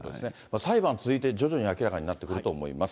裁判続いて、徐々に明らかになってくると思います。